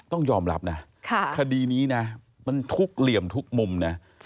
ต้องยอมรับนะคดีนี้นะมันทุกเหลี่ยมทุกมุมนะ